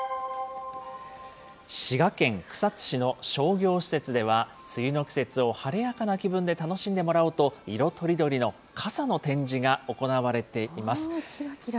滋賀県草津市の商業施設では、梅雨の季節を晴れやかな気分で楽しんでもらおうと、色とりどりの傘の展示が行われています。